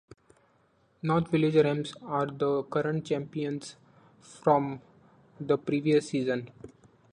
North Village Rams are the current champions from the previous season.